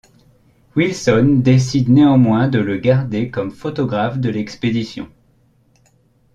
Wilson décide néanmoins de le garder comme photographe de l’expédition.